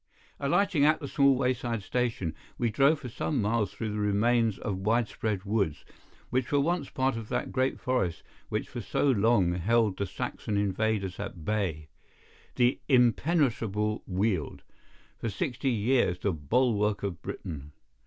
Alighting at the small wayside station, we drove for some miles through the remains of widespread woods, which were once part of that great forest which for so long held the Saxon invaders at bay—the impenetrable "weald," for sixty years the bulwark of Britain.